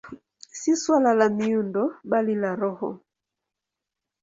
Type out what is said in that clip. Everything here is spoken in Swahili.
Si suala la miundo, bali la roho.